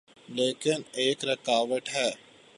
لیکن ایک رکاوٹ ہے۔